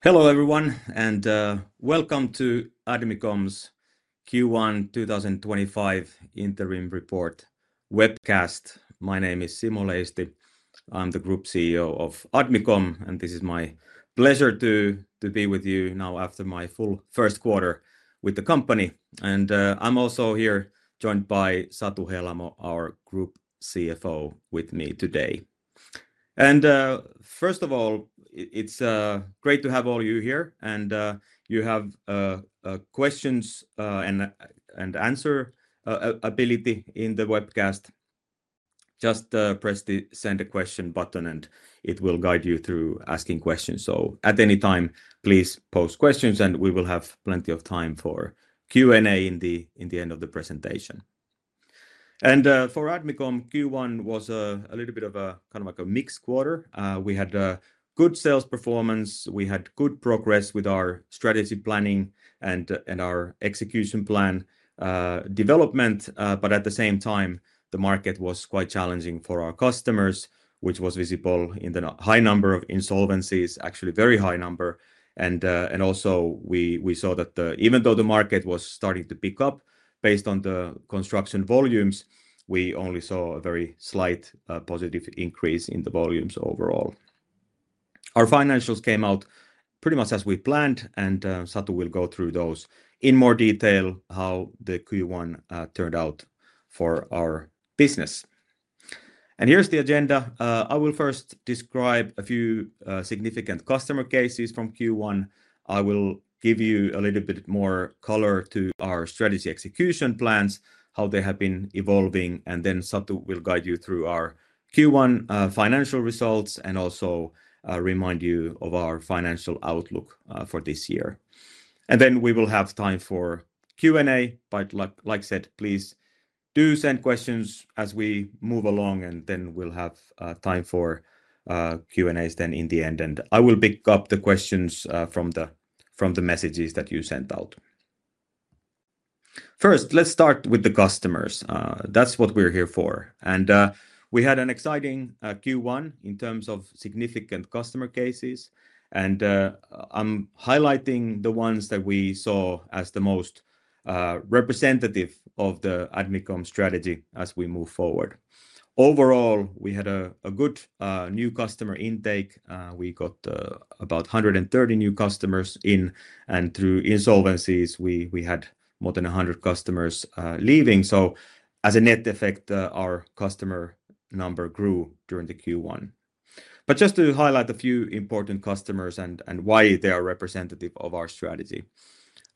Hello everyone, and welcome to Admicom's Q1 2025 Interim Report webcast. My name is Simo Leisti. I'm the Group CEO of Admicom, and this is my pleasure to be with you now after my full first quarter with the company. I'm also here joined by Satu Helamo, our Group CFO, with me today. First of all, it's great to have all you here, and you have questions and answer ability in the webcast. Just press the send a question button, and it will guide you through asking questions. At any time, please post questions, and we will have plenty of time for Q&A in the end of the presentation. For Admicom, Q1 was a little bit of a kind of like a mixed quarter. We had good sales performance. We had good progress with our strategy planning and our execution plan development. At the same time, the market was quite challenging for our customers, which was visible in the high number of insolvencies, actually very high number. Also, we saw that even though the market was starting to pick up based on the construction volumes, we only saw a very slight positive increase in the volumes overall. Our financials came out pretty much as we planned, and Satu will go through those in more detail, how the Q1 turned out for our business. Here is the agenda. I will first describe a few significant customer cases from Q1. I will give you a little bit more color to our strategy execution plans, how they have been evolving, and then Satu will guide you through our Q1 financial results and also remind you of our financial outlook for this year. We will have time for Q&A. Like I said, please do send questions as we move along, and we will have time for Q&As in the end. I will pick up the questions from the messages that you sent out. First, let's start with the customers. That is what we are here for. We had an exciting Q1 in terms of significant customer cases. I am highlighting the ones that we saw as the most representative of the Admicom strategy as we move forward. Overall, we had a good new customer intake. We got about 130 new customers in, and through insolvencies, we had more than 100 customers leaving. As a net effect, our customer number grew during Q1. Just to highlight a few important customers and why they are representative of our strategy.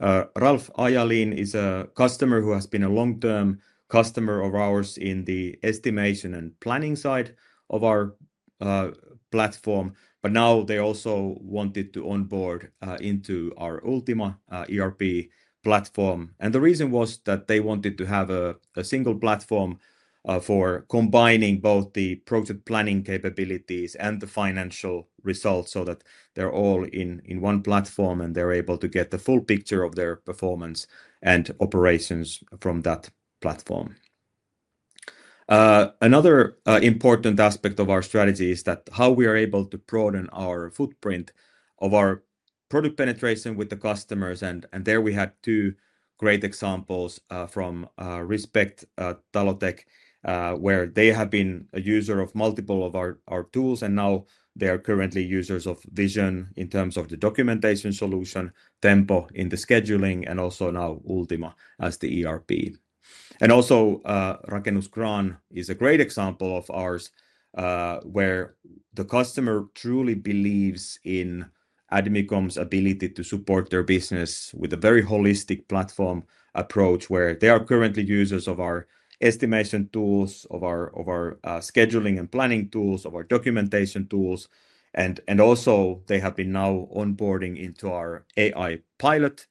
Ralf Ajalin is a customer who has been a long-term customer of ours in the estimation and planning side of our platform, but now they also wanted to onboard into our Ultima ERP platform. The reason was that they wanted to have a single platform for combining both the project planning capabilities and the financial results so that they're all in one platform and they're able to get the full picture of their performance and operations from that platform. Another important aspect of our strategy is how we are able to broaden our footprint of our product penetration with the customers. There we had two great examples from Respect Talotech, where they have been a user of multiple of our tools, and now they are currently users of Vision in terms of the documentation solution, Tempo in the scheduling, and also now Ultima as the ERP. Rakennus Kran is a great example of ours, where the customer truly believes in Admicom's ability to support their business with a very holistic platform approach, where they are currently users of our estimation tools, of our scheduling and planning tools, of our documentation tools. They have been now onboarding into our AI pilot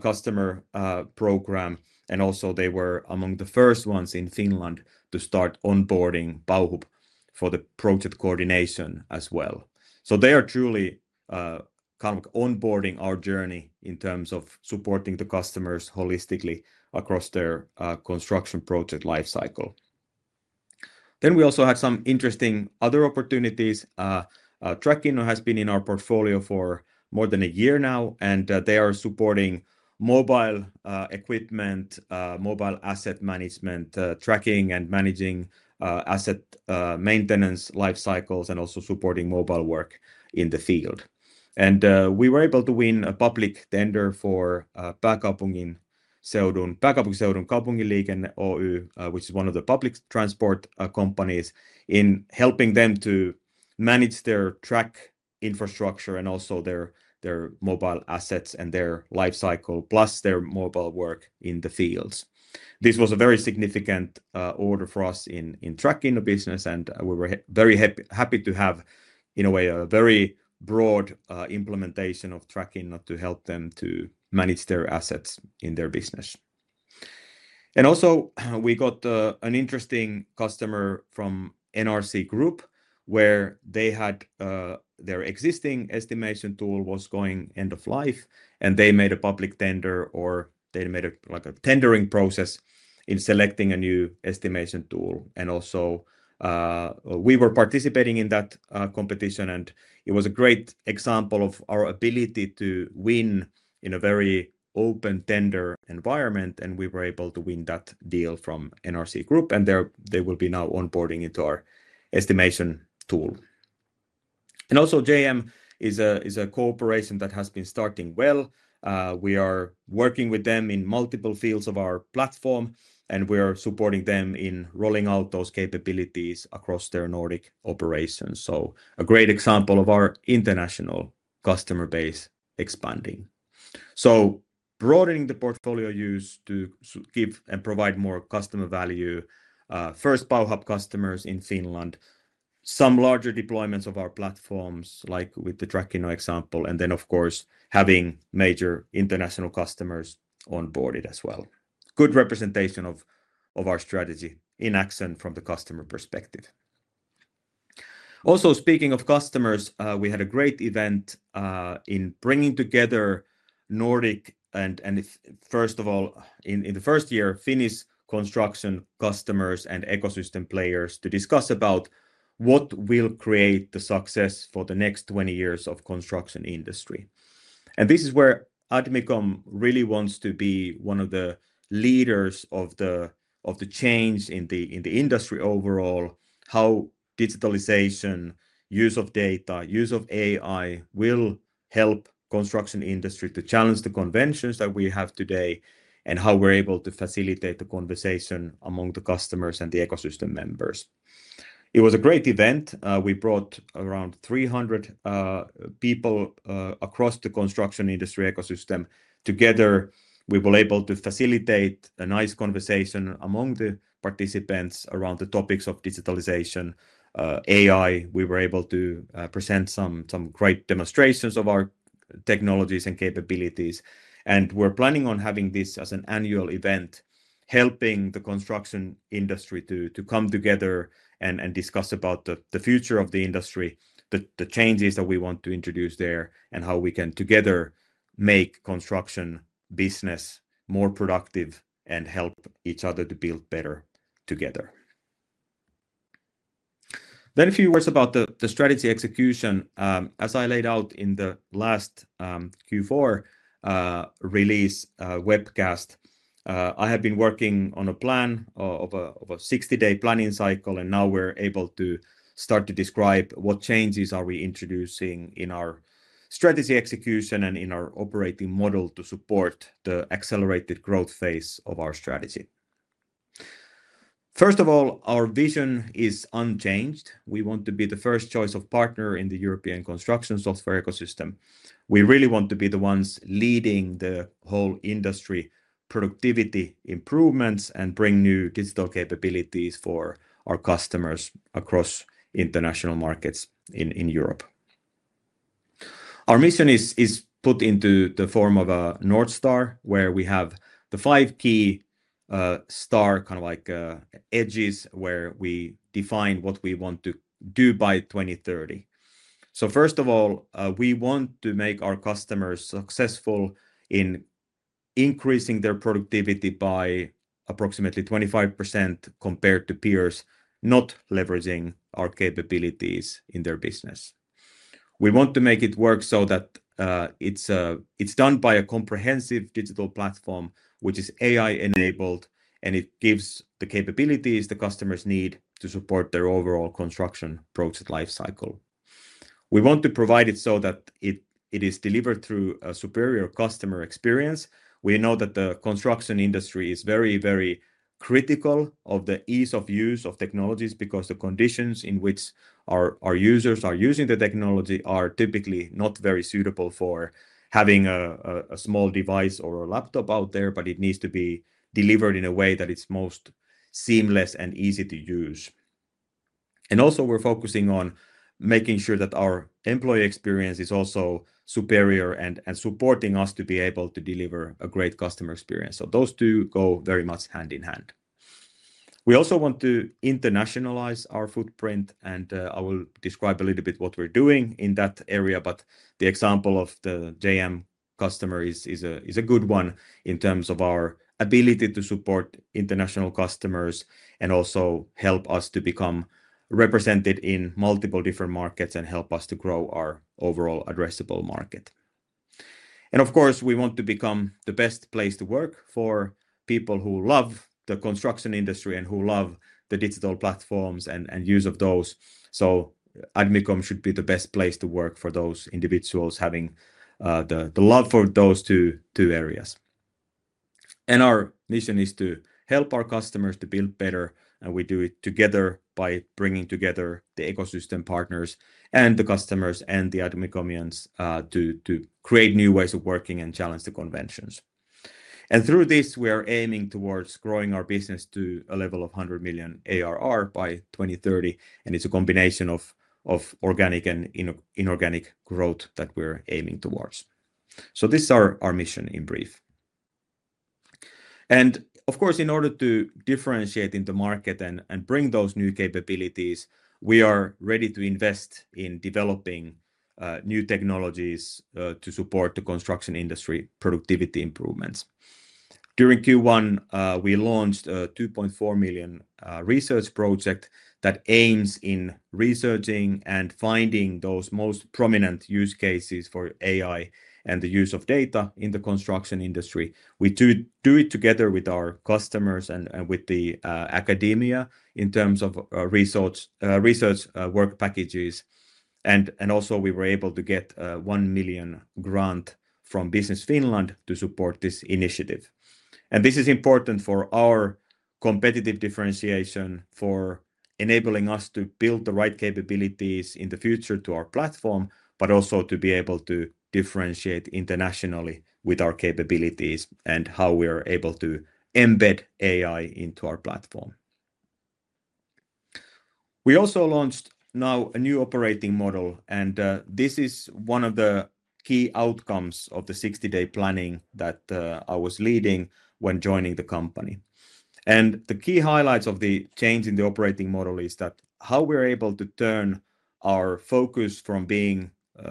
customer program. They were among the first ones in Finland to start onboarding Bauhub for the project coordination as well. They are truly kind of onboarding our journey in terms of supporting the customers holistically across their construction project lifecycle. We also had some interesting other opportunities. Trackinno has been in our portfolio for more than a year now, and they are supporting mobile equipment, mobile asset management, tracking and managing asset maintenance lifecycles, and also supporting mobile work in the field. We were able to win a public tender for Pääkaupunkiseudun Kaupunkiliikenne Oy, which is one of the public transport companies, in helping them to manage their track infrastructure and also their mobile assets and their lifecycle, plus their mobile work in the fields. This was a very significant order for us in tracking the business, and we were very happy to have, in a way, a very broad implementation of tracking to help them to manage their assets in their business. We also got an interesting customer from NRC Group, where they had their existing estimation tool was going end of life, and they made a public tender or they made a tendering process in selecting a new estimation tool. We were participating in that competition, and it was a great example of our ability to win in a very open tender environment. We were able to win that deal from NRC Group, and they will be now onboarding into our estimation tool. JM is a cooperation that has been starting well. We are working with them in multiple fields of our platform, and we are supporting them in rolling out those capabilities across their Nordic operations. A great example of our international customer base expanding. Broadening the portfolio used to give and provide more customer value, first Bauhub customers in Finland, some larger deployments of our platforms like with the Trakkino example, and of course having major international customers onboarded as well. Good representation of our strategy in action from the customer perspective. Also speaking of customers, we had a great event in bringing together Nordic and first of all in the first year, Finnish construction customers and ecosystem players to discuss about what will create the success for the next 20 years of construction industry. This is where Admicom really wants to be one of the leaders of the change in the industry overall, how digitalization, use of data, use of AI will help the construction industry to challenge the conventions that we have today and how we're able to facilitate the conversation among the customers and the ecosystem members. It was a great event. We brought around 300 people across the construction industry ecosystem together. We were able to facilitate a nice conversation among the participants around the topics of digitalization, AI. We were able to present some great demonstrations of our technologies and capabilities. We're planning on having this as an annual event, helping the construction industry to come together and discuss about the future of the industry, the changes that we want to introduce there, and how we can together make the construction business more productive and help each other to build better together. A few words about the strategy execution. As I laid out in the last Q4 release webcast, I have been working on a plan of a 60-day planning cycle, and now we're able to start to describe what changes are we introducing in our strategy execution and in our operating model to support the accelerated growth phase of our strategy. First of all, our vision is unchanged. We want to be the first choice of partner in the European construction software ecosystem. We really want to be the ones leading the whole industry productivity improvements and bring new digital capabilities for our customers across international markets in Europe. Our mission is put into the form of a North Star, where we have the five key star kind of like edges where we define what we want to do by 2030. First of all, we want to make our customers successful in increasing their productivity by approximately 25% compared to peers not leveraging our capabilities in their business. We want to make it work so that it's done by a comprehensive digital platform, which is AI-enabled, and it gives the capabilities the customers need to support their overall construction project lifecycle. We want to provide it so that it is delivered through a superior customer experience. We know that the construction industry is very, very critical of the ease of use of technologies because the conditions in which our users are using the technology are typically not very suitable for having a small device or a laptop out there, but it needs to be delivered in a way that it's most seamless and easy to use. We are also focusing on making sure that our employee experience is also superior and supporting us to be able to deliver a great customer experience. Those two go very much hand in hand. We also want to internationalize our footprint, and I will describe a little bit what we're doing in that area, but the example of the JM customer is a good one in terms of our ability to support international customers and also help us to become represented in multiple different markets and help us to grow our overall addressable market. Of course, we want to become the best place to work for people who love the construction industry and who love the digital platforms and use of those. Admicom should be the best place to work for those individuals having the love for those two areas. Our mission is to help our customers to build better, and we do it together by bringing together the ecosystem partners and the customers and the Admicomians to create new ways of working and challenge the conventions. Through this, we are aiming towards growing our business to a level of 100 million ARR by 2030. It is a combination of organic and inorganic growth that we are aiming towards. This is our mission in brief. Of course, in order to differentiate in the market and bring those new capabilities, we are ready to invest in developing new technologies to support the construction industry productivity improvements. During Q1, we launched a 2.4 million research project that aims in researching and finding those most prominent use cases for AI and the use of data in the construction industry. We do it together with our customers and with the academia in terms of research work packages. Also, we were able to get a 1 million grant from Business Finland to support this initiative. This is important for our competitive differentiation, for enabling us to build the right capabilities in the future to our platform, but also to be able to differentiate internationally with our capabilities and how we are able to embed AI into our platform. We also launched now a new operating model, and this is one of the key outcomes of the 60-day planning that I was leading when joining the company. The key highlights of the change in the operating model is that how we're able to turn our focus from being,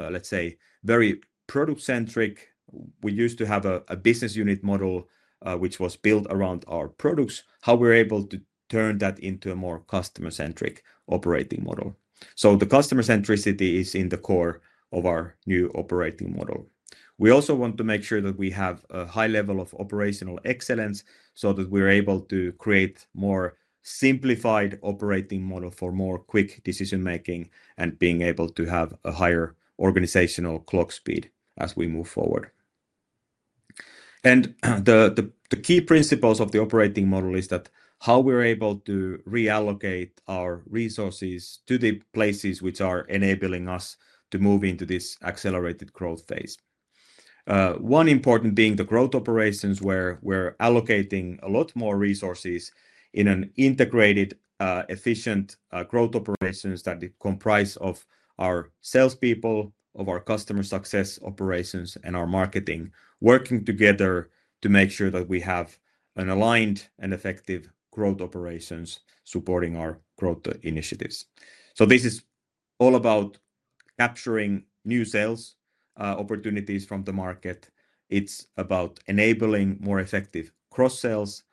let's say, very product-centric. We used to have a business unit model which was built around our products, how we're able to turn that into a more customer-centric operating model. The customer centricity is in the core of our new operating model. We also want to make sure that we have a high level of operational excellence so that we're able to create a more simplified operating model for more quick decision-making and being able to have a higher organizational clock speed as we move forward. The key principles of the operating model is that how we're able to reallocate our resources to the places which are enabling us to move into this accelerated growth phase. One important being the growth operations where we're allocating a lot more resources in an integrated, efficient growth operations that comprise of our salespeople, of our customer success operations, and our marketing working together to make sure that we have an aligned and effective growth operations supporting our growth initiatives. This is all about capturing new sales opportunities from the market. It's about enabling more effective cross-sales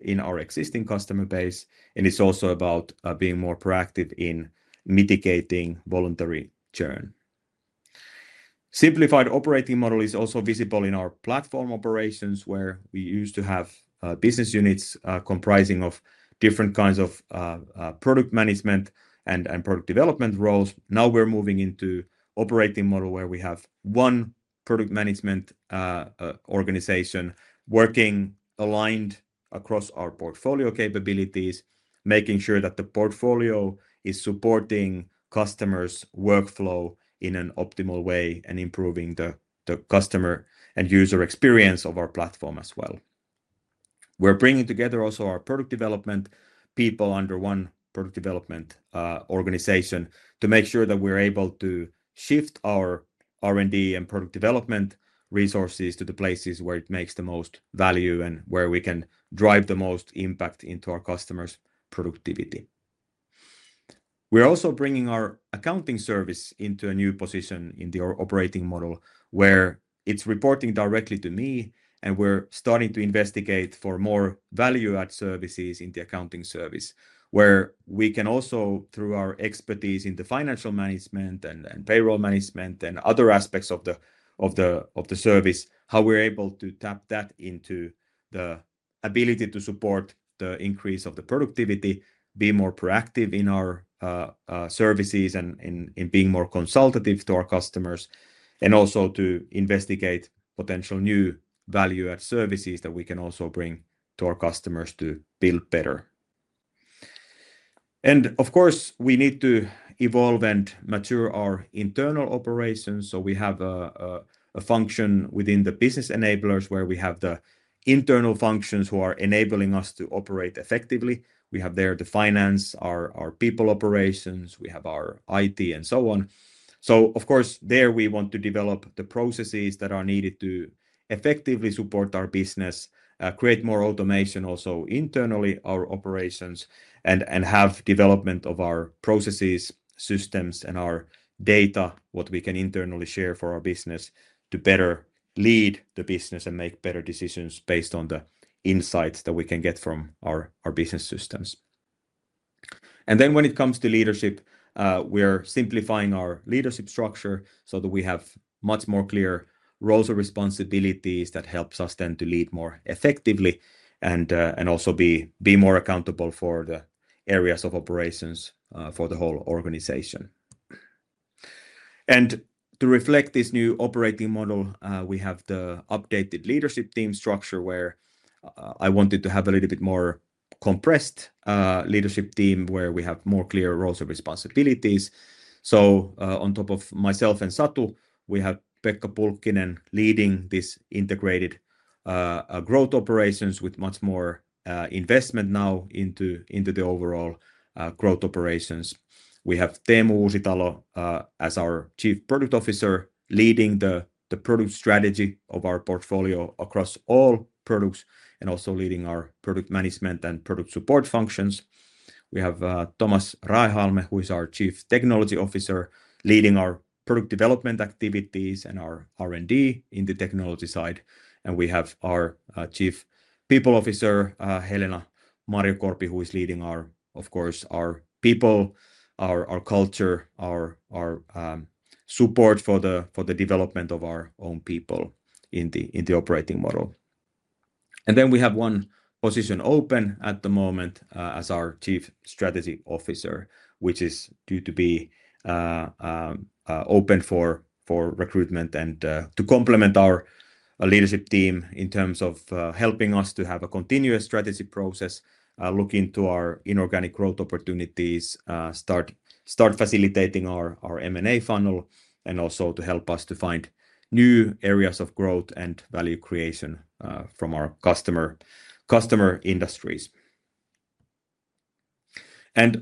in our existing customer base. It is also about being more proactive in mitigating voluntary churn. Simplified operating model is also visible in our platform operations where we used to have business units comprising of different kinds of product management and product development roles. Now we are moving into an operating model where we have one product management organization working aligned across our portfolio capabilities, making sure that the portfolio is supporting customers' workflow in an optimal way and improving the customer and user experience of our platform as well. We are bringing together also our product development people under one product development organization to make sure that we are able to shift our R&D and product development resources to the places where it makes the most value and where we can drive the most impact into our customers' productivity. We're also bringing our accounting service into a new position in the operating model where it's reporting directly to me, and we're starting to investigate for more value-add services in the accounting service where we can also, through our expertise in the financial management and payroll management and other aspects of the service, how we're able to tap that into the ability to support the increase of the productivity, be more proactive in our services and in being more consultative to our customers, and also to investigate potential new value-add services that we can also bring to our customers to build better. Of course, we need to evolve and mature our internal operations. We have a function within the business enablers where we have the internal functions who are enabling us to operate effectively. We have there the finance, our people operations, we have our IT and so on. Of course, there we want to develop the processes that are needed to effectively support our business, create more automation also internally our operations and have development of our processes, systems and our data, what we can internally share for our business to better lead the business and make better decisions based on the insights that we can get from our business systems. When it comes to leadership, we are simplifying our leadership structure so that we have much more clear roles and responsibilities that helps us then to lead more effectively and also be more accountable for the areas of operations for the whole organization. To reflect this new operating model, we have the updated leadership team structure where I wanted to have a little bit more compressed leadership team where we have more clear roles and responsibilities. On top of myself and Satu, we have Pekka Pulkkinen leading this integrated growth operations with much more investment now into the overall growth operations. We have Teemu Uusitalo as our Chief Product Officer leading the product strategy of our portfolio across all products and also leading our product management and product support functions. We have Thomas Raehalme, who is our Chief Technology Officer leading our product development activities and our R&D in the technology side. We have our Chief People Officer, Helena Marjokorpi, who is leading our, of course, our people, our culture, our support for the development of our own people in the operating model. We have one position open at the moment as our Chief Strategy Officer, which is due to be open for recruitment to complement our leadership team in terms of helping us to have a continuous strategy process, look into our inorganic growth opportunities, start facilitating our M&A funnel, and also to help us to find new areas of growth and value creation from our customer industries.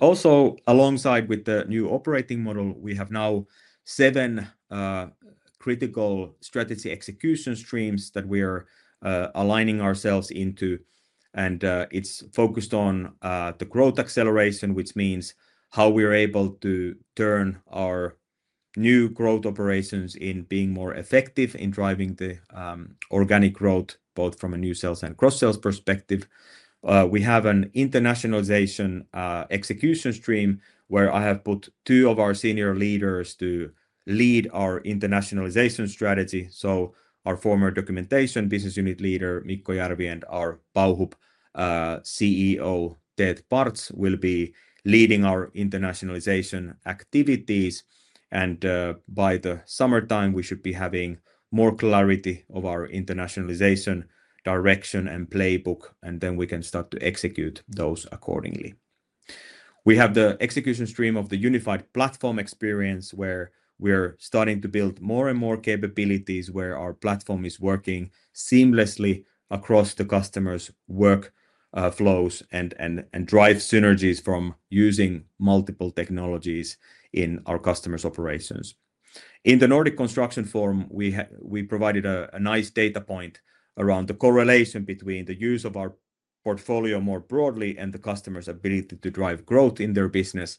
Also, alongside the new operating model, we have now seven critical strategy execution streams that we are aligning ourselves into. It is focused on the growth acceleration, which means how we are able to turn our new growth operations into being more effective in driving the organic growth both from a new sales and cross-sales perspective. We have an internationalization execution stream where I have put two of our senior leaders to lead our internationalization strategy. Our former documentation business unit leader, Mikko Järvi, and our Bauhub CEO, Teet Parts, will be leading our internationalization activities. By the summertime, we should be having more clarity of our internationalization direction and playbook, and we can start to execute those accordingly. We have the execution stream of the unified platform experience where we are starting to build more and more capabilities where our platform is working seamlessly across the customers' workflows and drive synergies from using multiple technologies in our customers' operations. In the Nordic construction forum, we provided a nice data point around the correlation between the use of our portfolio more broadly and the customers' ability to drive growth in their business.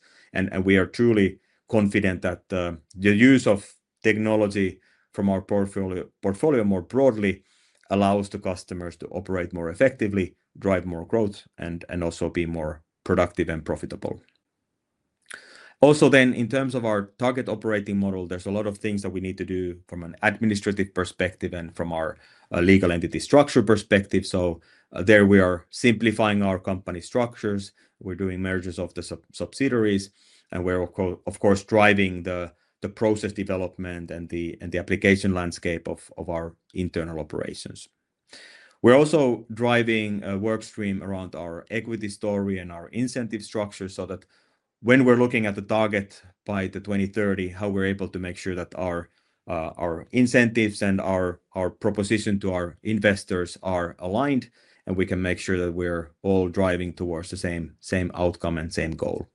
We are truly confident that the use of technology from our portfolio more broadly allows the customers to operate more effectively, drive more growth, and also be more productive and profitable. Also, in terms of our target operating model, there are a lot of things that we need to do from an administrative perspective and from our legal entity structure perspective. There we are simplifying our company structures. We are doing mergers of the subsidiaries, and we are, of course, driving the process development and the application landscape of our internal operations. We are also driving a workstream around our equity story and our incentive structure so that when we are looking at the target by 2030, we are able to make sure that our incentives and our proposition to our investors are aligned and we can make sure that we are all driving towards the same outcome and same goal.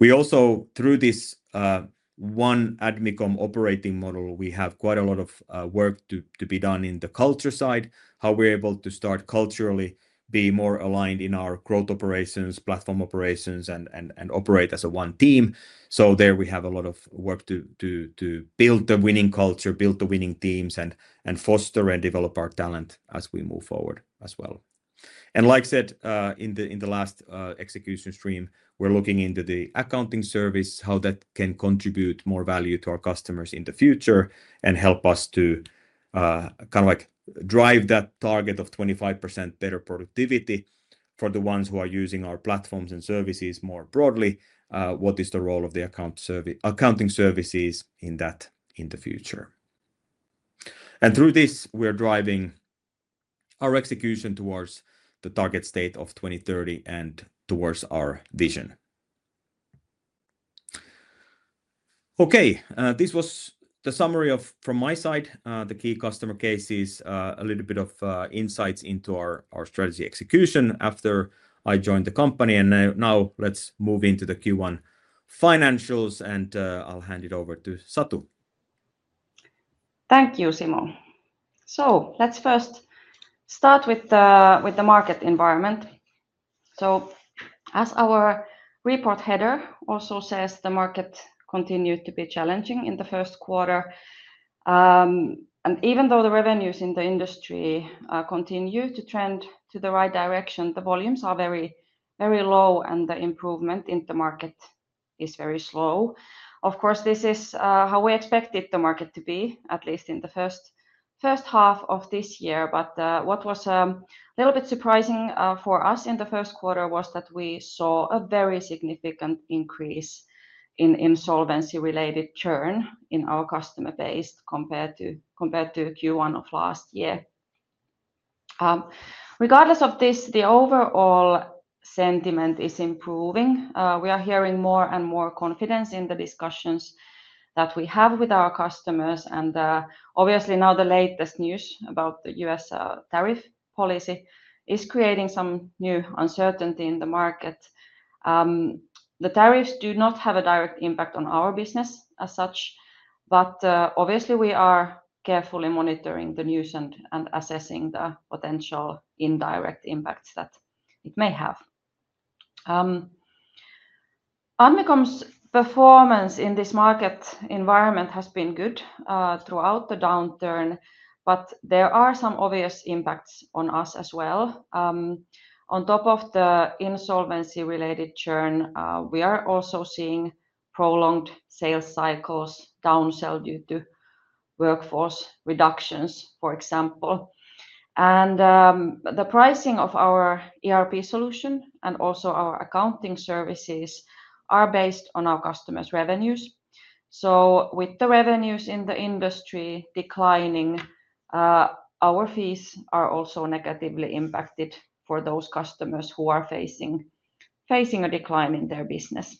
We also, through this one Admicom operating model, have quite a lot of work to be done on the culture side, how we're able to start culturally being more aligned in our growth operations, platform operations, and operate as one team. There we have a lot of work to build the winning culture, build the winning teams, and foster and develop our talent as we move forward as well. Like said in the last execution stream, we're looking into the accounting service, how that can contribute more value to our customers in the future and help us to kind of drive that target of 25% better productivity for the ones who are using our platforms and services more broadly. What is the role of the accounting services in that in the future? Through this, we're driving our execution towards the target state of 2030 and towards our vision. Okay, this was the summary from my side, the key customer cases, a little bit of insights into our strategy execution after I joined the company. Now let's move into the Q1 financials, and I'll hand it over to Satu. Thank you, Simo. Let's first start with the market environment. As our report header also says, the market continued to be challenging in the first quarter. Even though the revenues in the industry continue to trend to the right direction, the volumes are very low and the improvement in the market is very slow. Of course, this is how we expected the market to be, at least in the first half of this year. What was a little bit surprising for us in the first quarter was that we saw a very significant increase in insolvency-related churn in our customer base compared to Q1 of last year. Regardless of this, the overall sentiment is improving. We are hearing more and more confidence in the discussions that we have with our customers. Obviously now the latest news about the US tariff policy is creating some new uncertainty in the market. The tariffs do not have a direct impact on our business as such, but obviously we are carefully monitoring the news and assessing the potential indirect impacts that it may have. Admicom's performance in this market environment has been good throughout the downturn, but there are some obvious impacts on us as well. On top of the insolvency-related churn, we are also seeing prolonged sales cycles and downsell due to workforce reductions, for example. The pricing of our ERP solution and also our accounting services are based on our customers' revenues. With the revenues in the industry declining, our fees are also negatively impacted for those customers who are facing a decline in their business.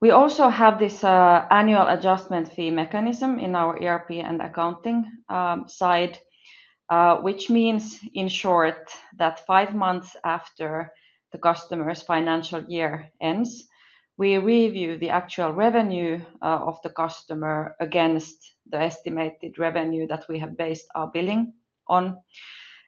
We also have this annual adjustment fee mechanism in our ERP and accounting side, which means in short that five months after the customer's financial year ends, we review the actual revenue of the customer against the estimated revenue that we have based our billing on.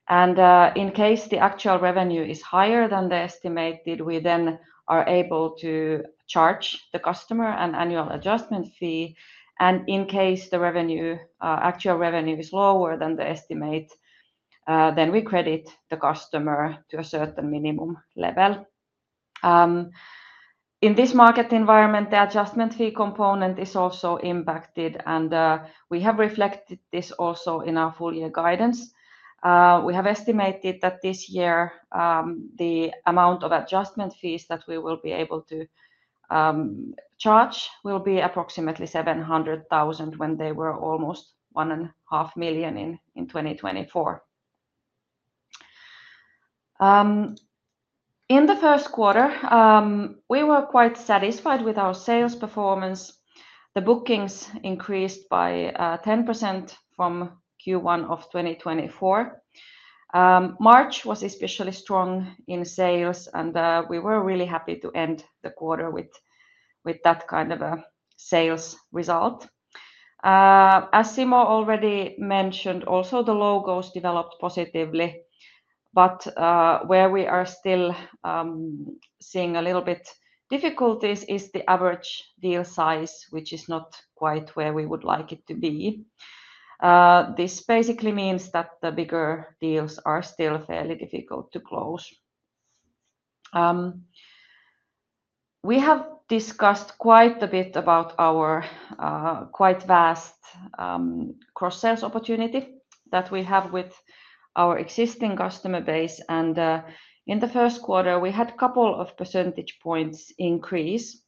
In case the actual revenue is higher than the estimated, we then are able to charge the customer an annual adjustment fee. In case the actual revenue is lower than the estimate, we credit the customer to a certain minimum level. In this market environment, the adjustment fee component is also impacted, and we have reflected this also in our full year guidance. We have estimated that this year the amount of adjustment fees that we will be able to charge will be approximately 700,000 when they were almost 1.5 million in 2024. In the first quarter, we were quite satisfied with our sales performance. The bookings increased by 10% from Q1 of 2024. March was especially strong in sales, and we were really happy to end the quarter with that kind of a sales result. As Simo already mentioned, also the logos developed positively, but where we are still seeing a little bit of difficulties is the average deal size, which is not quite where we would like it to be. This basically means that the bigger deals are still fairly difficult to close. We have discussed quite a bit about our quite vast cross-sales opportunity that we have with our existing customer base. In the first quarter, we had a couple of percentage points increase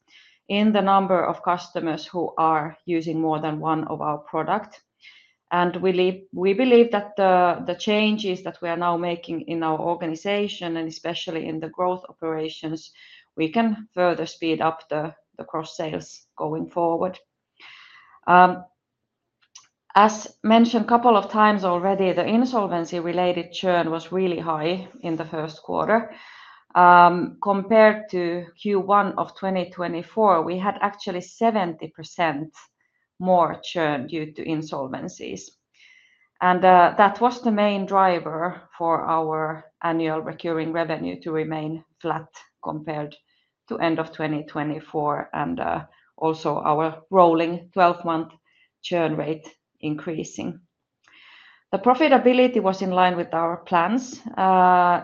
in the number of customers who are using more than one of our products. We believe that the changes that we are now making in our organization, and especially in the growth operations, we can further speed up the cross-sales going forward. As mentioned a couple of times already, the insolvency-related churn was really high in the first quarter. Compared to Q1 of 2024, we had actually 70% more churn due to insolvencies. That was the main driver for our annual recurring revenue to remain flat compared to the end of 2024 and also our rolling 12-month churn rate increasing. The profitability was in line with our plans.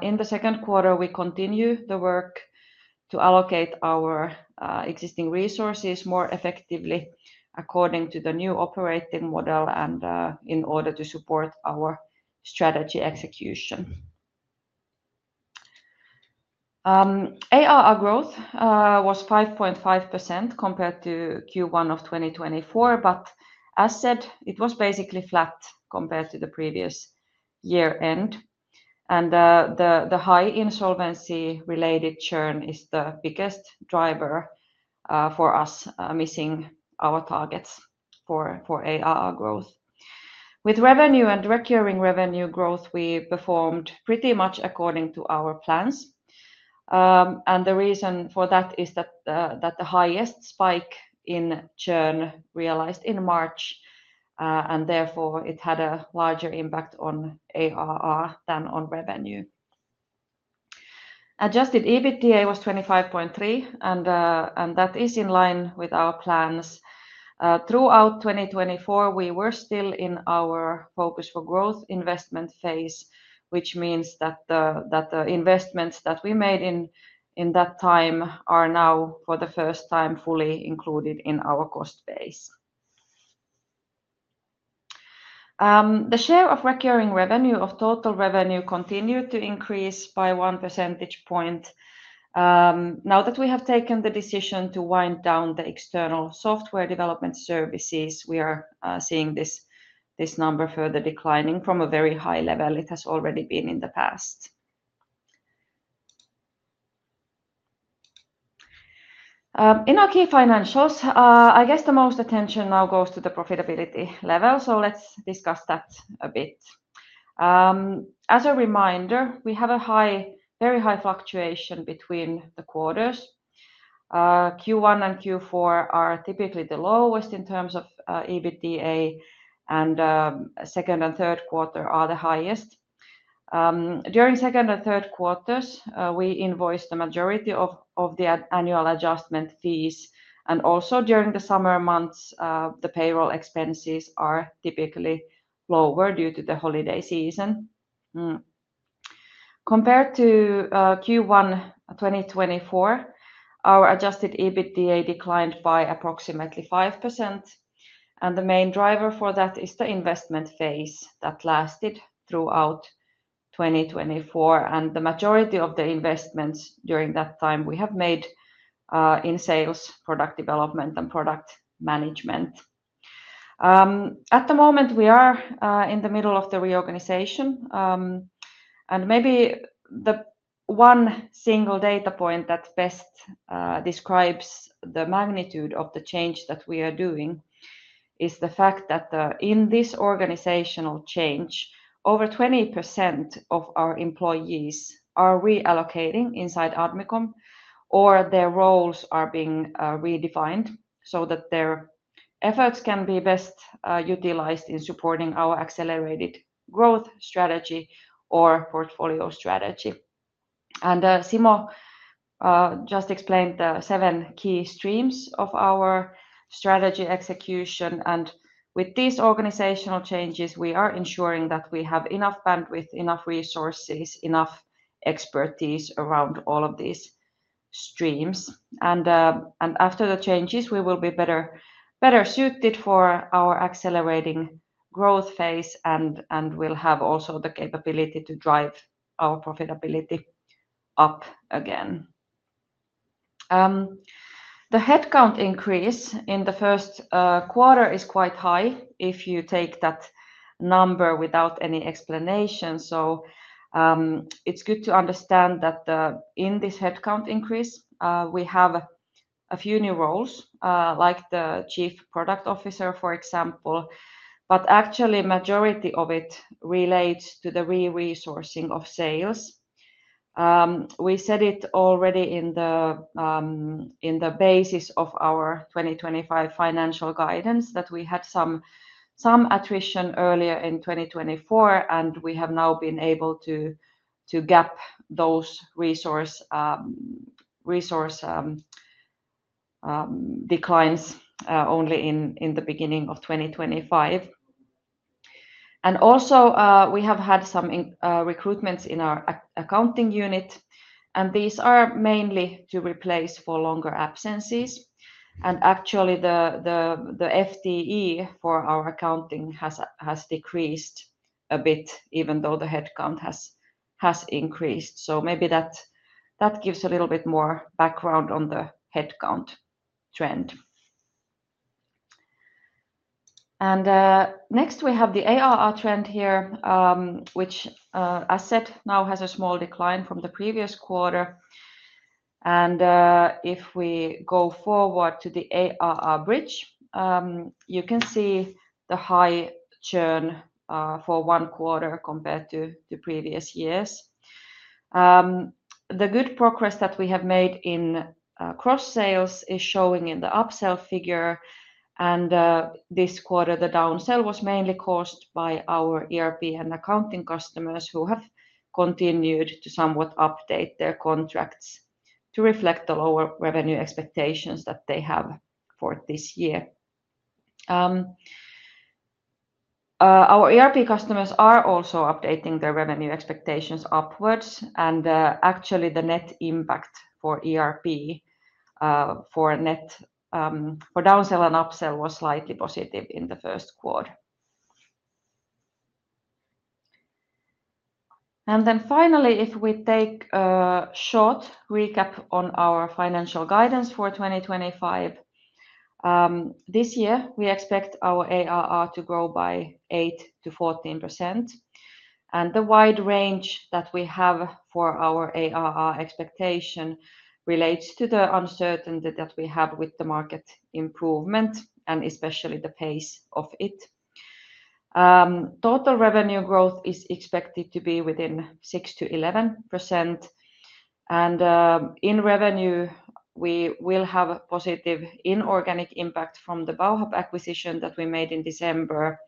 In the second quarter, we continue the work to allocate our existing resources more effectively according to the new operating model and in order to support our strategy execution. ARR growth was 5.5% compared to Q1 of 2024, but as said, it was basically flat compared to the previous year-end. The high insolvency-related churn is the biggest driver for us missing our targets for ARR growth. With revenue and recurring revenue growth, we performed pretty much according to our plans. The reason for that is that the highest spike in churn realized in March, and therefore it had a larger impact on ARR than on revenue. Adjusted EBITDA was 25.3%, and that is in line with our plans. Throughout 2024, we were still in our focus for growth investment phase, which means that the investments that we made in that time are now for the first time fully included in our cost base. The share of recurring revenue of total revenue continued to increase by one percentage point. Now that we have taken the decision to wind down the external software development services, we are seeing this number further declining from a very high level it has already been in the past. In our key financials, I guess the most attention now goes to the profitability level, so let's discuss that a bit. As a reminder, we have a very high fluctuation between the quarters. Q1 and Q4 are typically the lowest in terms of EBITDA, and second and third quarter are the highest. During second and third quarters, we invoice the majority of the annual adjustment fees, and also during the summer months, the payroll expenses are typically lower due to the holiday season. Compared to Q1 2024, our adjusted EBITDA declined by approximately 5%, and the main driver for that is the investment phase that lasted throughout 2024. The majority of the investments during that time we have made in sales, product development, and product management. At the moment, we are in the middle of the reorganization, and maybe the one single data point that best describes the magnitude of the change that we are doing is the fact that in this organizational change, over 20% of our employees are reallocating inside Admicom, or their roles are being redefined so that their efforts can be best utilized in supporting our accelerated growth strategy or portfolio strategy. Simo just explained the seven key streams of our strategy execution, and with these organizational changes, we are ensuring that we have enough bandwidth, enough resources, enough expertise around all of these streams. After the changes, we will be better suited for our accelerating growth phase and will have also the capability to drive our profitability up again. The headcount increase in the first quarter is quite high if you take that number without any explanation. It is good to understand that in this headcount increase, we have a few new roles, like the Chief Product Officer, for example, but actually the majority of it relates to the re-resourcing of sales. We said it already in the basis of our 2025 financial guidance that we had some attrition earlier in 2024, and we have now been able to gap those resource declines only in the beginning of 2025. We have had some recruitments in our accounting unit, and these are mainly to replace for longer absences. Actually, the FTE for our accounting has decreased a bit, even though the headcount has increased. Maybe that gives a little bit more background on the headcount trend. Next, we have the ARR trend here, which, as said, now has a small decline from the previous quarter. If we go forward to the ARR bridge, you can see the high churn for one quarter compared to previous years. The good progress that we have made in cross-sales is showing in the upsell figure, and this quarter the downsell was mainly caused by our ERP and accounting customers who have continued to somewhat update their contracts to reflect the lower revenue expectations that they have for this year. Our ERP customers are also updating their revenue expectations upwards, and actually the net impact for ERP for downsell and upsell was slightly positive in the first quarter. Finally, if we take a short recap on our financial guidance for 2025, this year we expect our ARR to grow by 8-14%, and the wide range that we have for our ARR expectation relates to the uncertainty that we have with the market improvement and especially the pace of it. Total revenue growth is expected to be within 6-11%, and in revenue we will have a positive inorganic impact from the Bauhub acquisition that we made in December,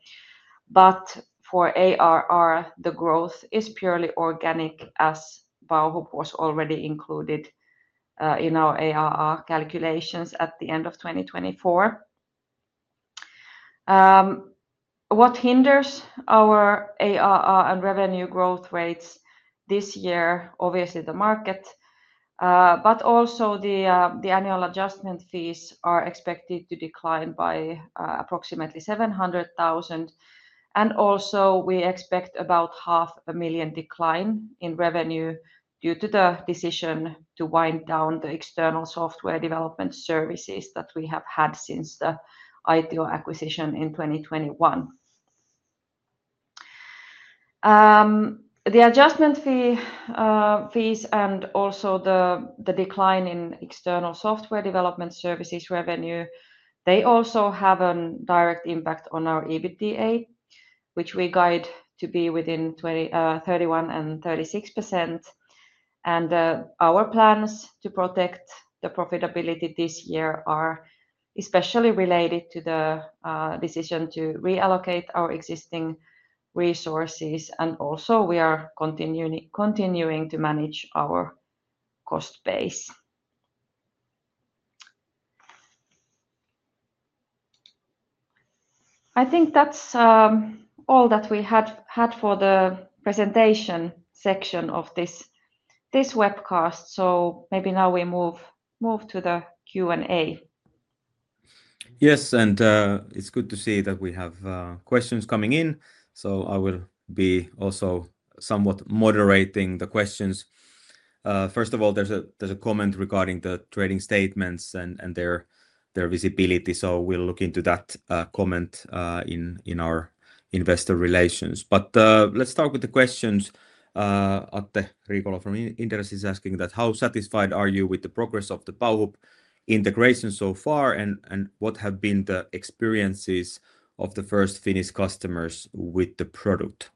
but for ARR the growth is purely organic as Bauhub was already included in our ARR calculations at the end of 2024. What hinders our ARR and revenue growth rates this year? Obviously the market, but also the annual adjustment fees are expected to decline by approximately 700,000, and also we expect about 500,000 decline in revenue due to the decision to wind down the external software development services that we have had since the ITO acquisition in 2021. The adjustment fees and also the decline in external software development services revenue, they also have a direct impact on our EBITDA, which we guide to be within 31-36%, and our plans to protect the profitability this year are especially related to the decision to reallocate our existing resources, and also we are continuing to manage our cost base. I think that's all that we had for the presentation section of this webcast, so maybe now we move to the Q&A. Yes, and it's good to see that we have questions coming in, so I will be also somewhat moderating the questions. First of all, there's a comment regarding the trading statements and their visibility, so we'll look into that comment in our investor relations. Let's start with the questions. Atte Riikola from Inderes is asking that how satisfied are you with the progress of the Bauhub integration so far, and what have been the experiences of the first Finnish customers with the product?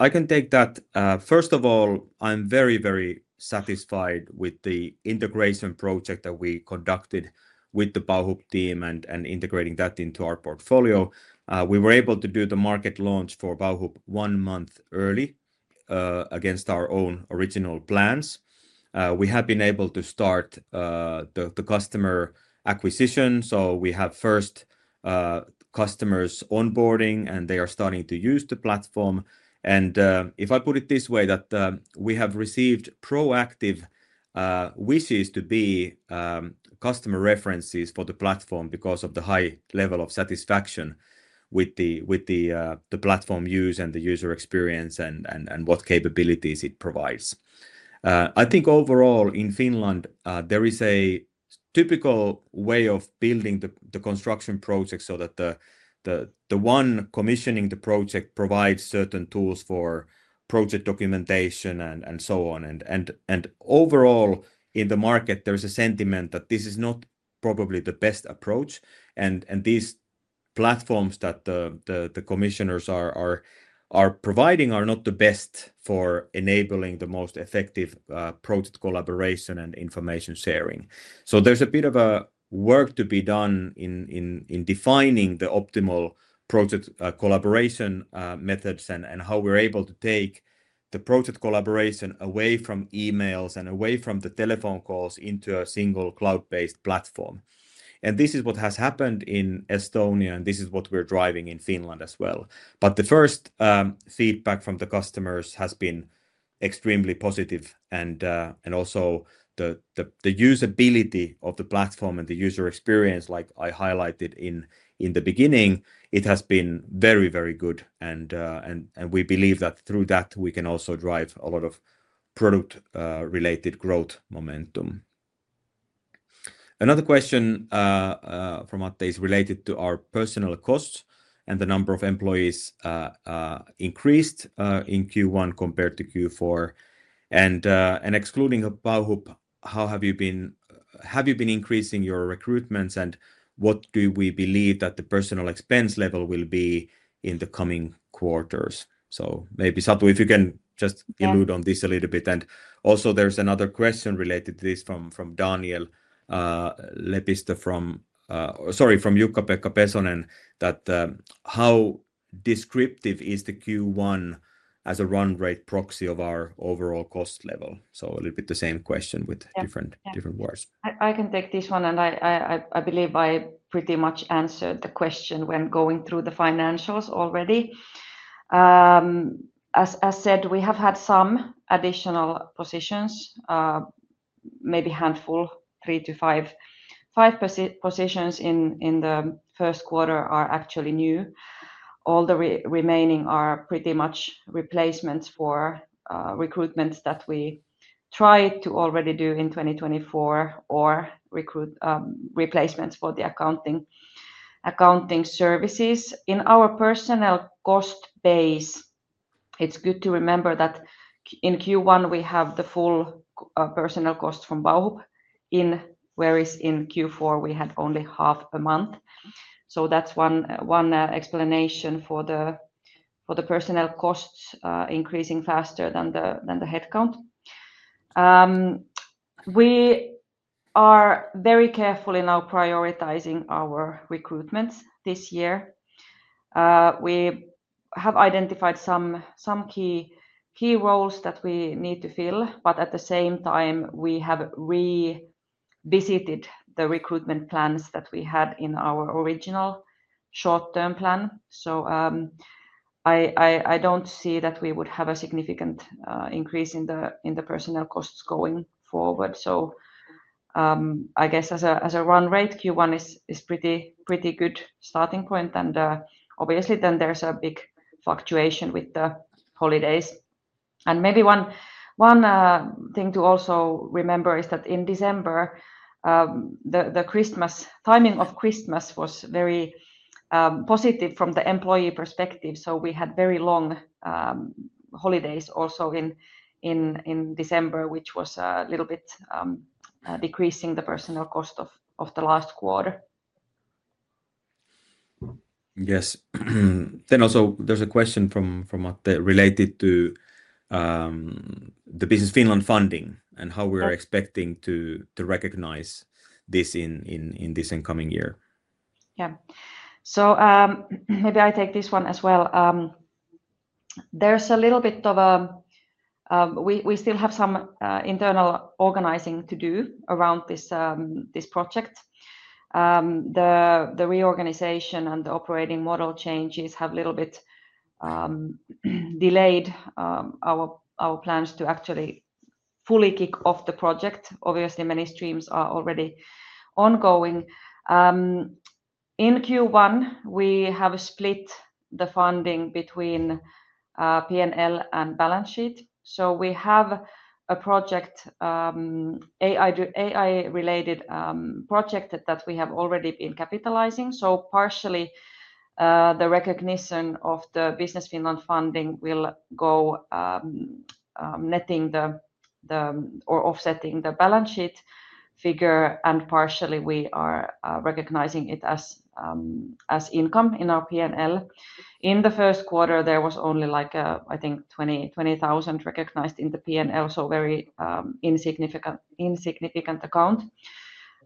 I can take that. First of all, I'm very, very satisfied with the integration project that we conducted with the Bauhub team and integrating that into our portfolio. We were able to do the market launch for Bauhub one month early against our own original plans. We have been able to start the customer acquisition, so we have first customers onboarding, and they are starting to use the platform. If I put it this way, we have received proactive wishes to be customer references for the platform because of the high level of satisfaction with the platform use and the user experience and what capabilities it provides. I think overall in Finland there is a typical way of building the construction project so that the one commissioning the project provides certain tools for project documentation and so on. Overall in the market there is a sentiment that this is not probably the best approach, and these platforms that the commissioners are providing are not the best for enabling the most effective project collaboration and information sharing. There is a bit of work to be done in defining the optimal project collaboration methods and how we are able to take the project collaboration away from emails and away from the telephone calls into a single cloud-based platform. This is what has happened in Estonia, and this is what we are driving in Finland as well. The first feedback from the customers has been extremely positive, and also the usability of the platform and the user experience, like I highlighted in the beginning, it has been very, very good, and we believe that through that we can also drive a lot of product-related growth momentum. Another question from Atte is related to our personnel costs and the number of employees increased in Q1 compared to Q4. Excluding Bauhub, how have you been increasing your recruitments, and what do we believe that the personnel expense level will be in the coming quarters? Maybe Satu, if you can just elude on this a little bit. Also, there is another question related to this from Daniel Lepistö, sorry, from Jukka-Pekka Pesonen, that how descriptive is the Q1 as a run rate proxy of our overall cost level? A little bit the same question with different words. I can take this one, and I believe I pretty much answered the question when going through the financials already. As said, we have had some additional positions, maybe a handful, three to five positions in the first quarter are actually new. All the remaining are pretty much replacements for recruitments that we tried to already do in 2024 or replacements for the accounting services. In our personnel cost base, it's good to remember that in Q1 we have the full personnel cost from Bauhub, whereas in Q4 we had only half a month. That's one explanation for the personnel costs increasing faster than the headcount. We are very careful in our prioritizing our recruitments this year. We have identified some key roles that we need to fill, but at the same time we have revisited the recruitment plans that we had in our original short-term plan. I don't see that we would have a significant increase in the personnel costs going forward. I guess as a run rate, Q1 is a pretty good starting point, and obviously then there's a big fluctuation with the holidays. Maybe one thing to also remember is that in December, the timing of Christmas was very positive from the employee perspective, so we had very long holidays also in December, which was a little bit decreasing the personnel cost of the last quarter. Yes. There is also a question from Atte related to the Business Finland funding and how we are expecting to recognize this in this incoming year. Yeah. Maybe I take this one as well. There is a little bit of a we still have some internal organizing to do around this project. The reorganization and the operating model changes have a little bit delayed our plans to actually fully kick off the project. Obviously, many streams are already ongoing. In Q1, we have split the funding between P&L and balance sheet. We have an AI-related project that we have already been capitalizing. Partially, the recognition of the Business Finland funding will go netting or offsetting the balance sheet figure, and partially we are recognizing it as income in our P&L. In the first quarter, there was only, like, I think, 20,000 recognized in the P&L, so a very insignificant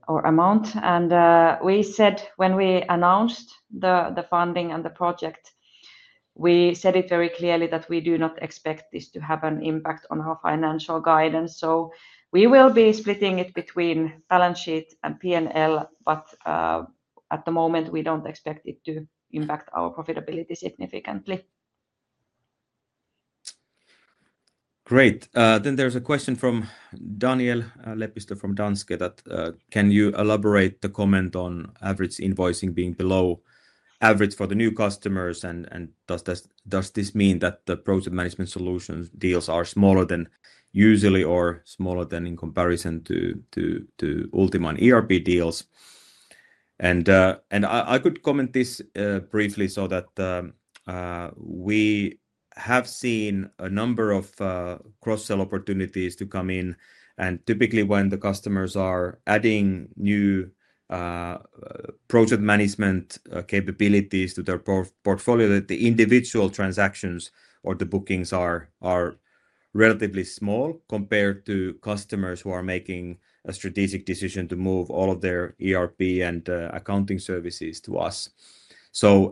amount. We said when we announced the funding and the project, we said it very clearly that we do not expect this to have an impact on our financial guidance. We will be splitting it between balance sheet and P&L, but at the moment we do not expect it to impact our profitability significantly. Great. There is a question from Daniel Lepistö from Danske that can you elaborate the comment on average invoicing being below average for the new customers, and does this mean that the project management solution deals are smaller than usually or smaller than in comparison to Ultima and ERP deals? I could comment this briefly so that we have seen a number of cross-sell opportunities to come in, and typically when the customers are adding new project management capabilities to their portfolio, the individual transactions or the bookings are relatively small compared to customers who are making a strategic decision to move all of their ERP and accounting services to us.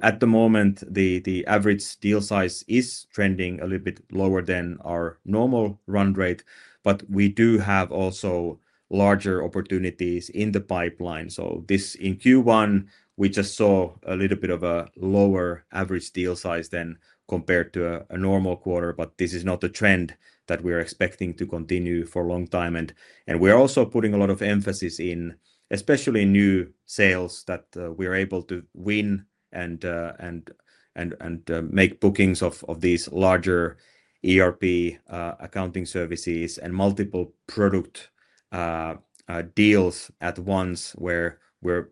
At the moment, the average deal size is trending a little bit lower than our normal run rate, but we do have also larger opportunities in the pipeline. In Q1, we just saw a little bit of a lower average deal size than compared to a normal quarter, but this is not a trend that we are expecting to continue for a long time. We are also putting a lot of emphasis in, especially new sales, that we are able to win and make bookings of these larger ERP accounting services and multiple product deals at once where we're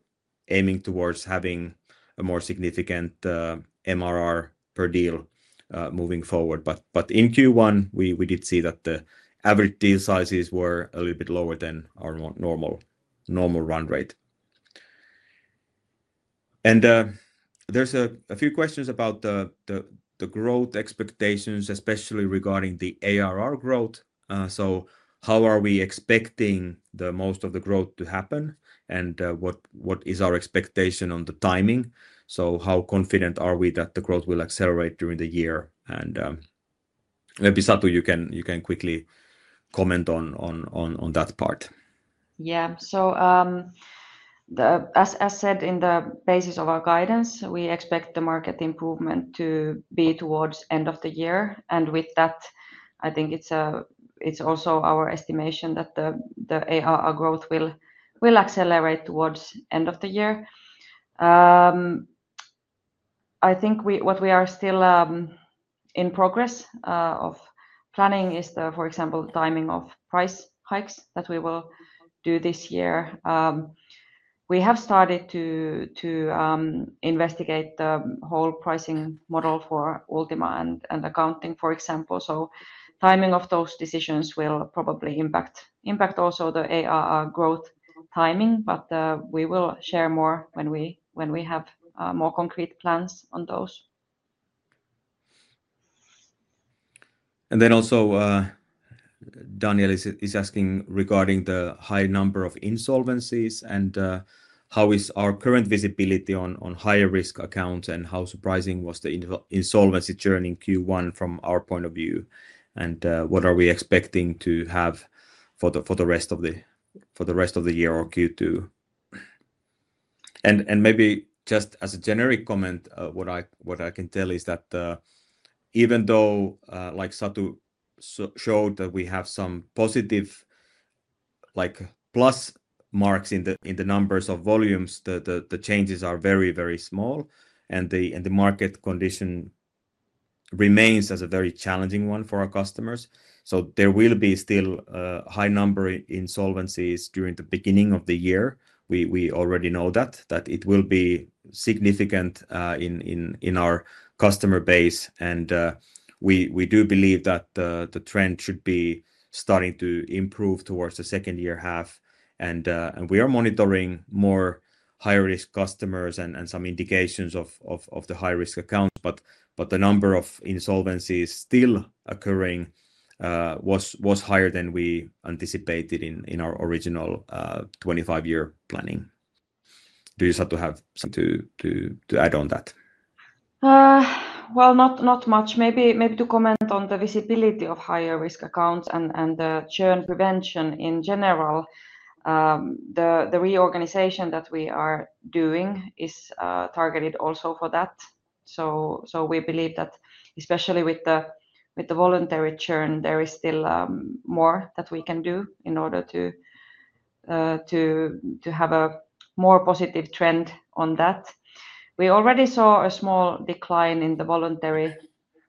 aiming towards having a more significant MRR per deal moving forward. In Q1, we did see that the average deal sizes were a little bit lower than our normal run rate. There are a few questions about the growth expectations, especially regarding the ARR growth. How are we expecting most of the growth to happen, and what is our expectation on the timing? How confident are we that the growth will accelerate during the year? Maybe Satu, you can quickly comment on that part. Yeah. As said in the basis of our guidance, we expect the market improvement to be towards the end of the year. With that, I think it's also our estimation that the ARR growth will accelerate towards the end of the year. I think what we are still in progress of planning is the, for example, timing of price hikes that we will do this year. We have started to investigate the whole pricing model for Ultima and accounting, for example. Timing of those decisions will probably impact also the ARR growth timing, but we will share more when we have more concrete plans on those. Daniel is also asking regarding the high number of insolvencies and how is our current visibility on higher risk accounts and how surprising was the insolvency churn in Q1 from our point of view, and what are we expecting to have for the rest of the year or Q2. Maybe just as a generic comment, what I can tell is that even though, like Satu showed, we have some positive plus marks in the numbers of volumes, the changes are very, very small, and the market condition remains as a very challenging one for our customers. There will be still a high number of insolvencies during the beginning of the year. We already know that it will be significant in our customer base, and we do believe that the trend should be starting to improve towards the second year half. We are monitoring more higher risk customers and some indications of the high risk accounts, but the number of insolvencies still occurring was higher than we anticipated in our original 25-year planning. Satu, do you have to add on that? Not much. Maybe to comment on the visibility of higher risk accounts and the churn prevention in general, the reorganization that we are doing is targeted also for that. We believe that especially with the voluntary churn, there is still more that we can do in order to have a more positive trend on that. We already saw a small decline in the voluntary,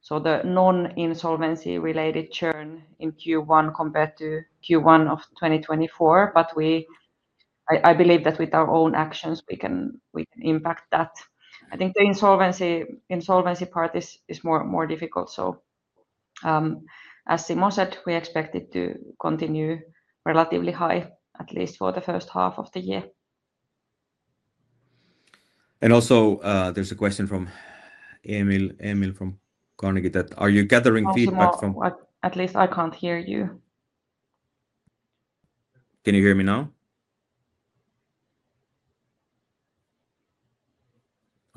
so the non-insolvency related churn in Q1 compared to Q1 of 2024, but I believe that with our own actions we can impact that. I think the insolvency part is more difficult. As Simo said, we expect it to continue relatively high, at least for the first half of the year. There is a question from Emil from Carnegie: are you gathering feedback from— at least I can't hear you. Can you hear me now?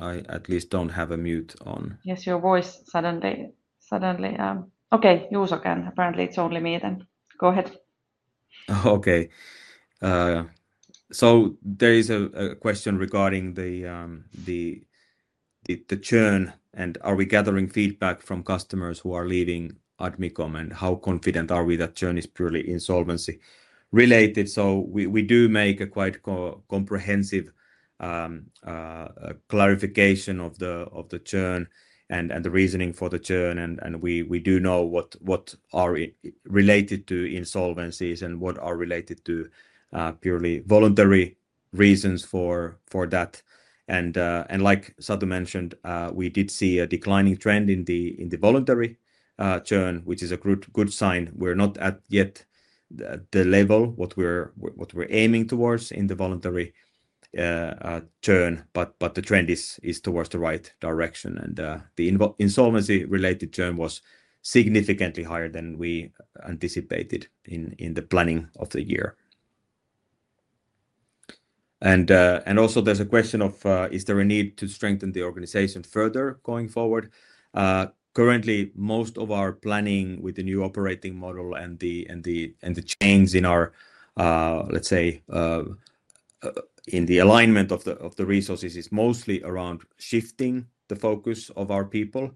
I at least don't have a mute on. Yes, your voice suddenly—okay, it was okay. Apparently, it's only me then. Go ahead. Okay there is a question regarding the churn, and are we gathering feedback from customers who are leaving Admicom, and how confident are we that churn is purely insolvency related? We do make a quite comprehensive clarification of the churn and the reasoning for the churn, and we do know what are related to insolvencies and what are related to purely voluntary reasons for that. Like Satu mentioned, we did see a declining trend in the voluntary churn, which is a good sign. We're not yet at the level what we're aiming towards in the voluntary churn, but the trend is towards the right direction, and the insolvency-related churn was significantly higher than we anticipated in the planning of the year. Also, there's a question of, is there a need to strengthen the organization further going forward? Currently, most of our planning with the new operating model and the change in our, let's say, in the alignment of the resources is mostly around shifting the focus of our people.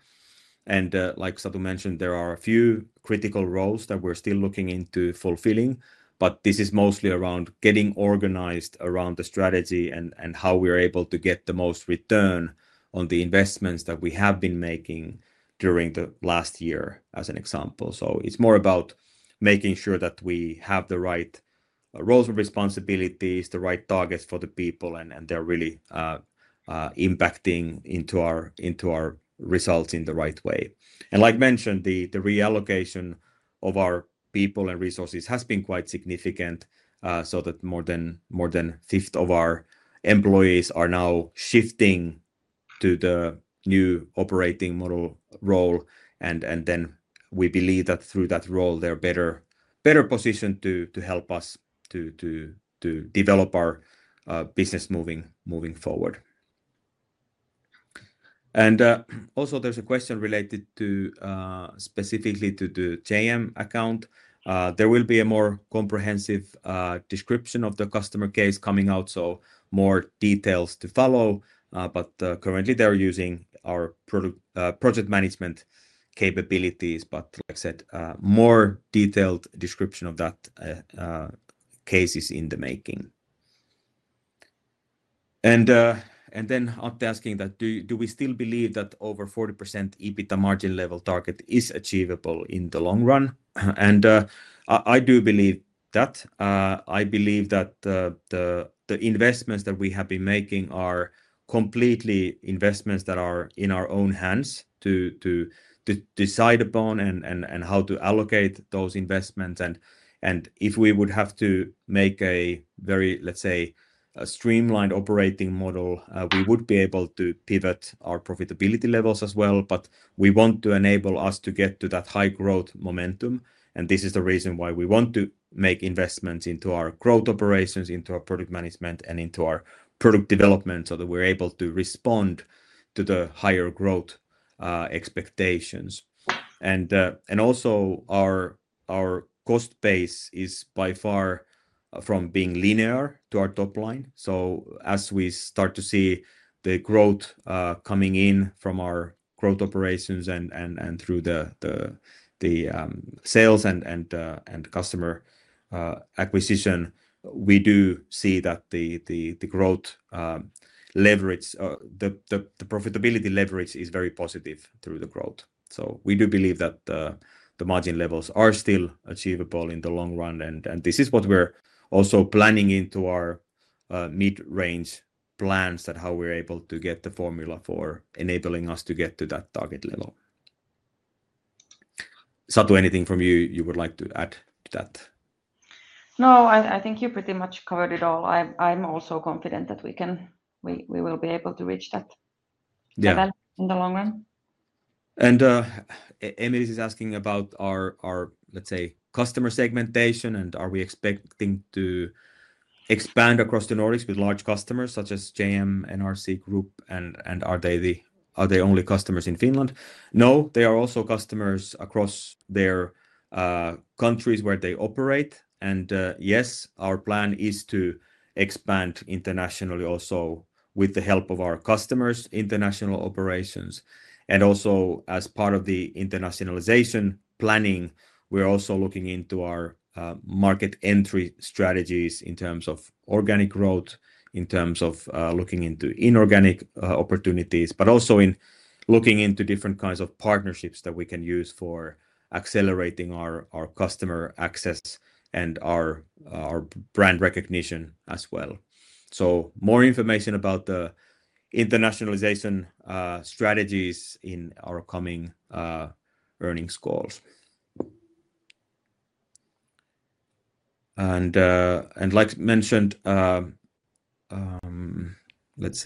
Like Satu mentioned, there are a few critical roles that we're still looking into fulfilling, but this is mostly around getting organized around the strategy and how we're able to get the most return on the investments that we have been making during the last year as an example. It is more about making sure that we have the right roles and responsibilities, the right targets for the people, and they're really impacting into our results in the right way. Like mentioned, the reallocation of our people and resources has been quite significant, so that more than a fifth of our employees are now shifting to the new operating model role, and we believe that through that role, they're better positioned to help us to develop our business moving forward. Also, there is a question related specifically to the JM account. There will be a more comprehensive description of the customer case coming out, so more details to follow. Currently they're using our project management capabilities, but like I said, more detailed description of that case is in the making. Atte asking that, do we still believe that over 40% EBITDA margin level target is achievable in the long run? I do believe that. I believe that the investments that we have been making are completely investments that are in our own hands to decide upon and how to allocate those investments. If we would have to make a very, let's say, a streamlined operating model, we would be able to pivot our profitability levels as well, but we want to enable us to get to that high growth momentum. This is the reason why we want to make investments into our growth operations, into our product management, and into our product development so that we're able to respond to the higher growth expectations. Also, our cost base is by far from being linear to our top line. As we start to see the growth coming in from our growth operations and through the sales and customer acquisition, we do see that the growth leverage, the profitability leverage is very positive through the growth. We do believe that the margin levels are still achievable in the long run, and this is what we're also planning into our mid-range plans, that how we're able to get the formula for enabling us to get to that target level. Satu, anything from you you would like to add to that? No, I think you pretty much covered it all. I'm also confident that we will be able to reach that level in the long run. Emil is asking about our, let's say, customer segmentation, and are we expecting to expand across the Nordics with large customers such as JM, NRC Group, and are they only customers in Finland? No, they are also customers across their countries where they operate. Yes, our plan is to expand internationally also with the help of our customers' international operations. Also as part of the internationalization planning, we're looking into our market entry strategies in terms of organic growth, in terms of looking into inorganic opportunities, but also in looking into different kinds of partnerships that we can use for accelerating our customer access and our brand recognition as well. More information about the internationalization strategies in our coming earnings calls. Like mentioned, let's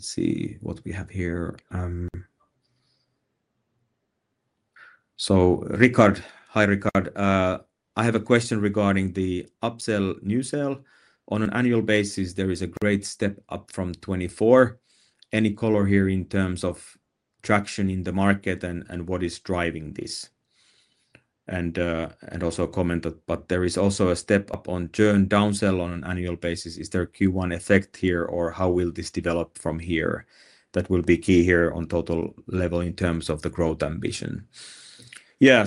see what we have here. Hi Ricard, I have a question regarding the upsell new sale. On an annual basis, there is a great step up from 2024. Any color here in terms of traction in the market and what is driving this? Also, comment that there is also a step up on churn downsell on an annual basis. Is there a Q1 effect here or how will this develop from here? That will be key here on total level in terms of the growth ambition. Yeah,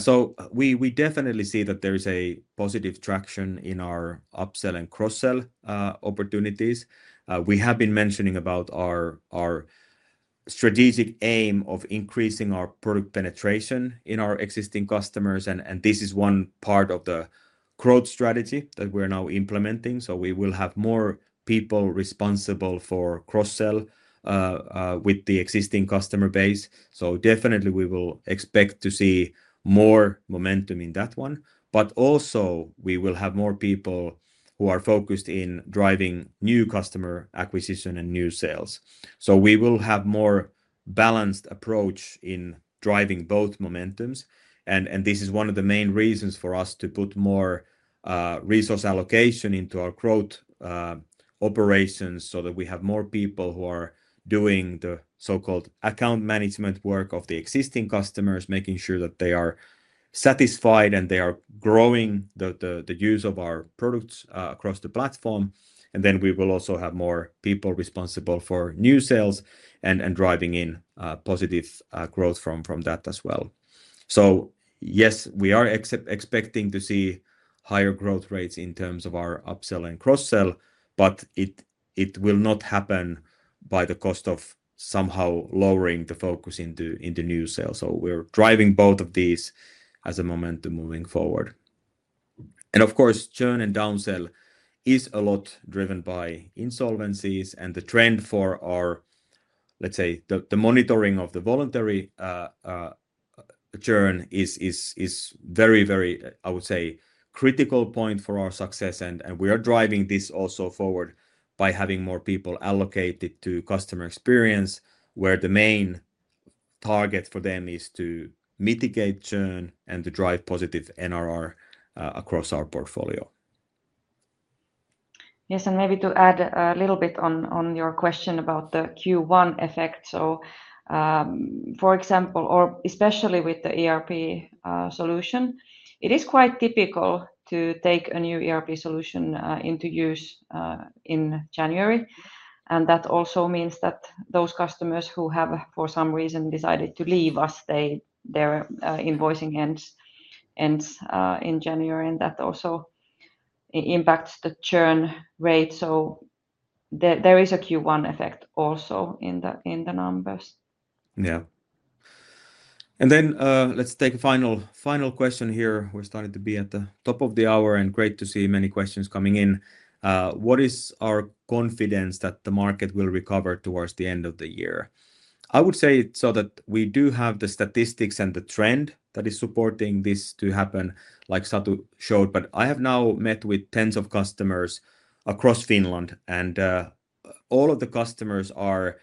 we definitely see that there is a positive traction in our upsell and cross-sell opportunities. We have been mentioning our strategic aim of increasing our product penetration in our existing customers, and this is one part of the growth strategy that we're now implementing. We will have more people responsible for cross-sell with the existing customer base. We will expect to see more momentum in that one. We will also have more people who are focused in driving new customer acquisition and new sales. We will have a more balanced approach in driving both momentums. This is one of the main reasons for us to put more resource allocation into our growth operations so that we have more people who are doing the so-called account management work of the existing customers, making sure that they are satisfied and they are growing the use of our products across the platform. We will also have more people responsible for new sales and driving in positive growth from that as well. Yes, we are expecting to see higher growth rates in terms of our upsell and cross-sell, but it will not happen by the cost of somehow lowering the focus into new sales. We are driving both of these as a momentum moving forward. Of course, churn and downsell is a lot driven by insolvencies, and the trend for our, let's say, the monitoring of the voluntary churn is very, very, I would say, critical point for our success. We are driving this also forward by having more people allocated to customer experience, where the main target for them is to mitigate churn and to drive positive NRR across our portfolio. Yes, and maybe to add a little bit on your question about the Q1 effect, for example, or especially with the ERP solution, it is quite typical to take a new ERP solution into use in January. That also means that those customers who have for some reason decided to leave us, their invoicing ends in January, and that also impacts the churn rate. There is a Q1 effect also in the numbers. Yeah. Let's take a final question here. We're starting to be at the top of the hour, and great to see many questions coming in. What is our confidence that the market will recover towards the end of the year? I would say so that we do have the statistics and the trend that is supporting this to happen, like Satu showed, but I have now met with tens of customers across Finland, and all of the customers are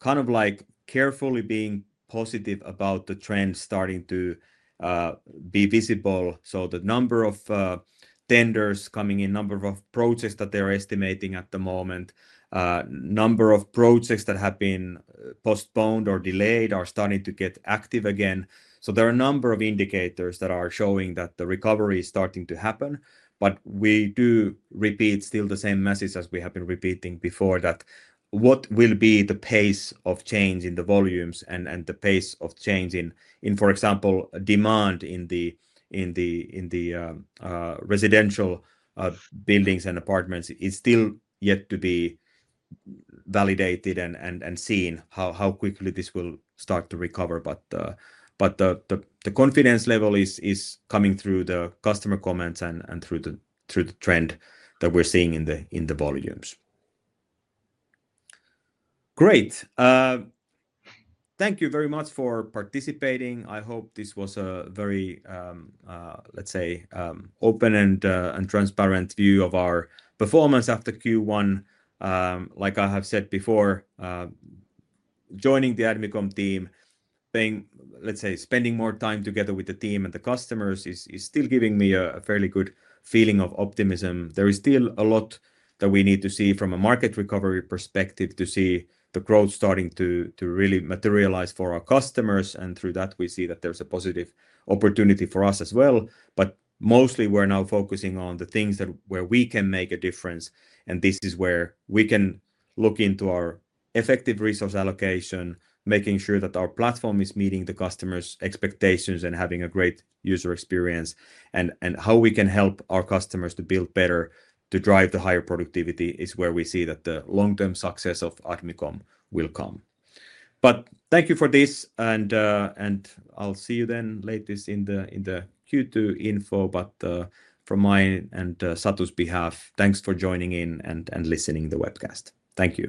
kind of like carefully being positive about the trend starting to be visible. The number of tenders coming in, number of projects that they're estimating at the moment, number of projects that have been postponed or delayed are starting to get active again. There are a number of indicators that are showing that the recovery is starting to happen, but we do repeat still the same message as we have been repeating before that what will be the pace of change in the volumes and the pace of change in, for example, demand in the residential buildings and apartments is still yet to be validated and seen how quickly this will start to recover. The confidence level is coming through the customer comments and through the trend that we're seeing in the volumes. Great. Thank you very much for participating. I hope this was a very, let's say, open and transparent view of our performance after Q1. Like I have said before, joining the Admicom team, let's say, spending more time together with the team and the customers is still giving me a fairly good feeling of optimism. There is still a lot that we need to see from a market recovery perspective to see the growth starting to really materialize for our customers, and through that, we see that there's a positive opportunity for us as well. Mostly, we're now focusing on the things where we can make a difference, and this is where we can look into our effective resource allocation, making sure that our platform is meeting the customer's expectations and having a great user experience, and how we can help our customers to build better to drive the higher productivity is where we see that the long-term success of Admicom will come. Thank you for this, and I'll see you then latest in the Q2 info, but from my and Satu's behalf, thanks for joining in and listening to the webcast. Thank you.